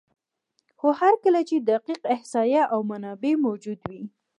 خو هر کله چې دقیق احصایه او منابع موجود وي،